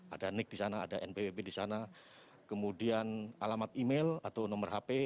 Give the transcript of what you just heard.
ada nik di sana ada npwp di sana kemudian alamat email atau nomor hp